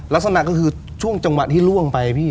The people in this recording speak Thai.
ลักษณะก็คือช่วงจังหวะที่ล่วงไปพี่